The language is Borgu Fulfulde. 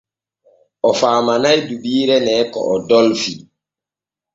O faamanay rubiire ne ko o dolfii.